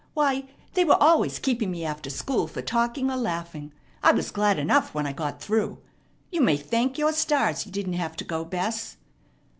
Why, they were always keeping me after school for talking or laughing. I was glad enough when I got through. You may thank your stars you didn't have to go, Bess."